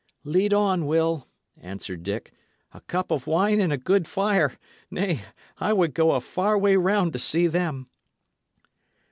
"Lead on, Will," answered Dick. "A cup of wine and a good fire! Nay, I would go a far way round to see them."